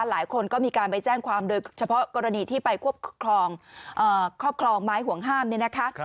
หลายคนก็มีการไปแจ้งความโดยเฉพาะกรณีที่ไปครอบครองไม้ห่วงห้ามเนี่ยนะคะ